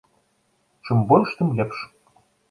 Чым больш, тым лепш.